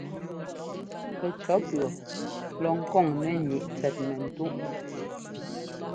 Pɛcʉ̈ɔ́ pʉ̈ɔ lɔ ŋkoŋ nɛ́ ŋíʼ tsɛt mɛ́ntúʼ.